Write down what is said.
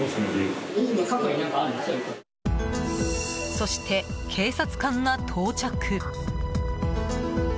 そして、警察官が到着。